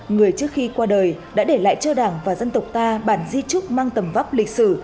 người trước khi qua đời đã để lại cho đảng và dân tộc ta bản di trúc mang tầm vóc lịch sử